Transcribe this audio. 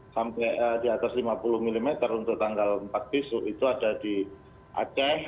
sampai di atas lima puluh mm untuk tanggal empat besok itu ada di aceh